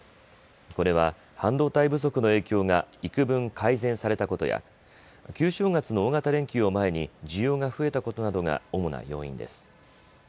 これは半導体不足の影響がいくぶん改善されたことや旧正月の大型連休を前に需要が増えたことなどが主な要因です。